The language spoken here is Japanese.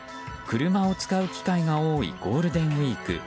車を使う機会が多いゴールデンウィーク。